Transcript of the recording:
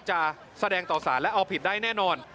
จะแสดงต่อสารและเอาผิดได้แน่นอน